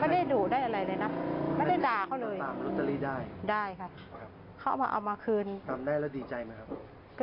ที่หน้าร้านนี้ค่ะ